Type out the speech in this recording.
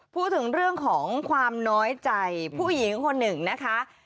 พูดถึงเรื่องของความน้อยใจผู้หญิงคนหนึ่งนะคะ